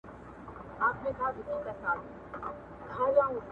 د سیاسي یووالي، خپلواکۍ او دولتدارۍ